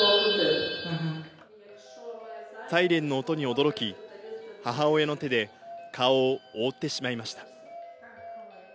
サイレンの音に驚き、母親の手で顔を覆ってしまいました。